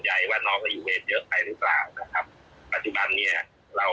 ได้เป็นเวรใหม่แล้วก็